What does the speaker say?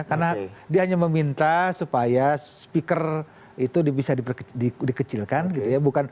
karena dia hanya meminta supaya speaker itu bisa di kecilkan gitu ya